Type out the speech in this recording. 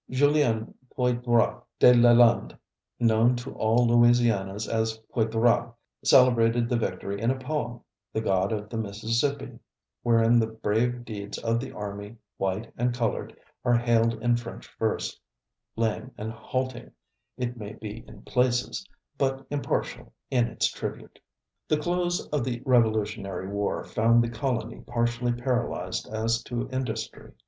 Julien Poydras de Lalande, known to all Louisianians as Poydras, celebrated the victory in a poem, "The God of the Mississippi," wherein the brave deeds of the army, white and colored, are hailed in French verse, lame and halting, it may be in places, but impartial in its tribute. The close of the Revolutionary war found the colony partially paralyzed as to industry.